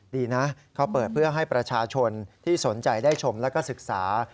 ดีนะเขาเปิดเพื่อให้ประชาชนที่สนใจได้ชมแล้วก็ศึกษา